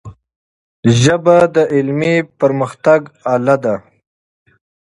ژبه د علمي پرمختګ آله ده.